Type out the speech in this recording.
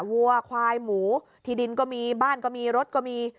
วัวควายหมูที่ดินก็มีบ้านก็มีรถก็มี